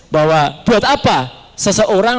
bahwa buat apa seseorang